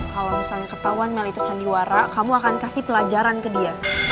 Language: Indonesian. kalau misalnya ketahuan mel itu sandiwara kamu akan kasih pelajaran ke dia